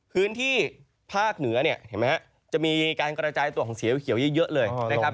พื้นที่ภาคเหนือเนี่ยเห็นไหมฮะจะมีการกระจายตัวของสีเขียวเยอะเลยนะครับ